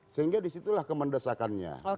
sehingga disitulah kemendesakannya